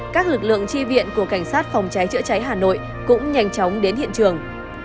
các lực lượng tri viện của cảnh sát phòng cháy chữa cháy hà nội cũng nhanh chóng đến hiện trường